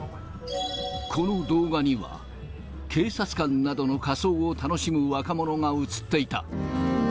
この動画には、警察官などの仮装を楽しむ若者が映っていた。